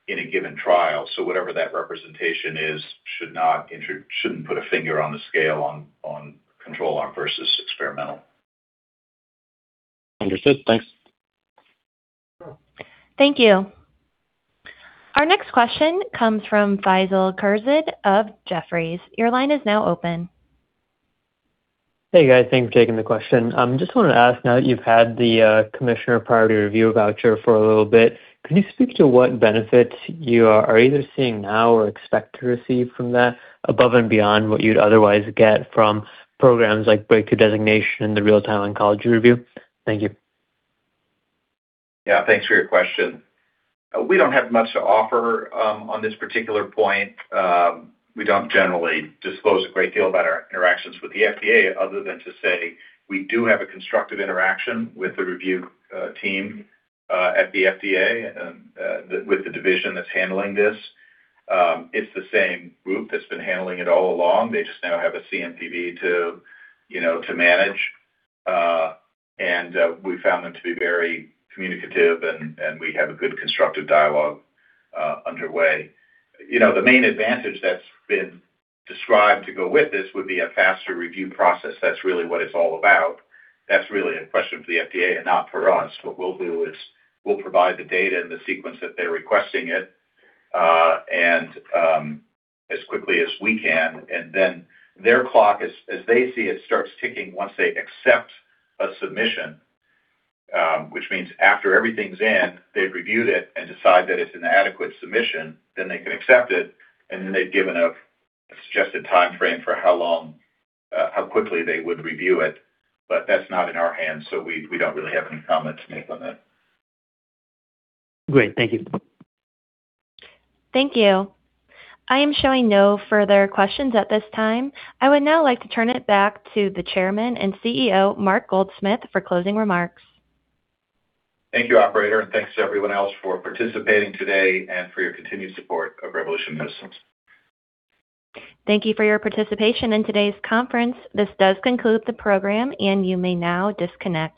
in a given trial. Whatever that representation is shouldn't put a finger on the scale on control arm versus experimental. Understood. Thanks. Thank you. Our next question comes from Faisal Khurshid of Jefferies. Your line is now open. Hey, guys. Thanks for taking the question. Just wanted to ask, now that you've had the Commissioner Priority Review Voucher for a little bit, can you speak to what benefits you are either seeing now or expect to receive from that, above and beyond what you'd otherwise get from programs like Breakthrough Designation and the real-time oncology review? Thank you. Thanks for your question. We don't have much to offer on this particular point. We don't generally disclose a great deal about our interactions with the FDA other than to say we do have a constructive interaction with the review team at the FDA and with the division that's handling this. It's the same group that's been handling it all along. They just now have a CNPV to, you know, to manage. We found them to be very communicative and we have a good constructive dialogue underway. You know, the main advantage that's been described to go with this would be a faster review process. That's really what it's all about. That's really a question for the FDA and not for us. What we'll do is we'll provide the data and the sequence that they're requesting it, and, as quickly as we can, and then their clock, as they see it, starts ticking once they accept a submission, which means after everything's in, they've reviewed it and decide that it's an adequate submission, then they can accept it, and then they've given a suggested timeframe for how long, how quickly they would review it. That's not in our hands, so we don't really have any comments to make on that. Great. Thank you. Thank you. I am showing no further questions at this time. I would now like to turn it back to the Chairman and CEO, Mark Goldsmith, for closing remarks. Thank you, operator, and thanks to everyone else for participating today and for your continued support of Revolution Medicines. Thank you for your participation in today's conference. This does conclude the program. You may now disconnect.